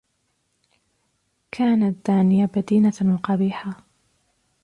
كانت دانية بدينة و قبيحة.